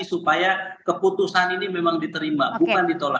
supaya keputusan ini memang diterima bukan ditolak